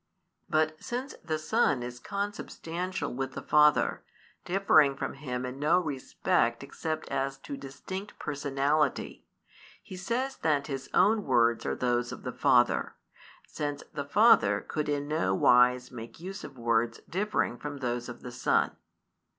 But since the Son is Consubstantial with the Father, differing from Him in no respect except as to distinct personality, He says that His own words are those of the Father, since the Father could in no wise make use of words differing from those of the Son.